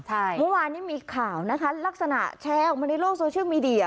เมื่อวานนี้มีข่าวนะคะลักษณะแชร์ออกมาในโลกโซเชียลมีเดีย